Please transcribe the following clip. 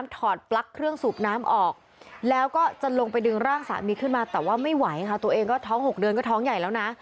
แต่ว่าไม่ไหวค่ะตัวเองก็ท้อง๖เดือนก็ท้องใหญ่แล้วนะ